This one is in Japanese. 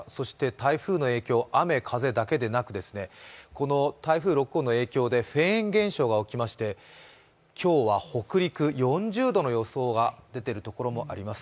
そして台風の影響雨、風だけじゃなく、この台風６号の影響でフェーン現象が起きまして、今日は北陸、４０度の予想が出ているところがあります。